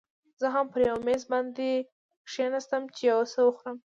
زه هم پر یو میز باندې کښېناستم، چې یو څه وخورم.